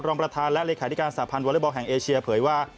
ประธานและเลขาธิการสาพันธ์วอเล็กบอลแห่งเอเชียเผยว่า